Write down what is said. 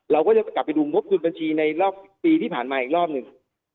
เราก็จะกลับไปดูงบดุลบัญชีในรอบปีที่ผ่านมาอีกรอบหนึ่ง